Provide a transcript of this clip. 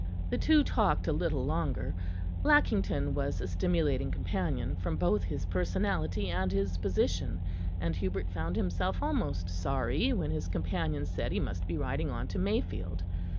The two talked a little longer; Lackington was a stimulating companion from both his personality and his position; and Hubert found himself almost sorry when his companion said he must be riding on to Mayfield.